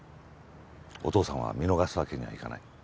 お父さんは見逃すわけにはいかない。